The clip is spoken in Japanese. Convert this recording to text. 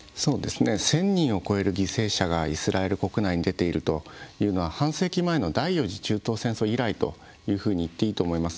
１０００人を超える犠牲者がイスラエル国内に出ているというのは半世紀前の第四次中東戦争以来といっていいと思います。